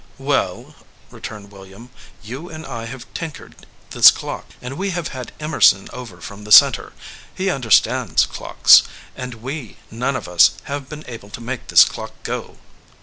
"Well," returned William, "you and I have tink ered this clock, and we have had Emerson over from the Center; he understands clocks; and we none of us have been able to make this clock go."